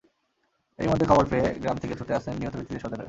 এরই মধ্যে খবর পেয়ে গ্রাম থেকে ছুটে আসেন নিহত ব্যক্তিদের স্বজনেরা।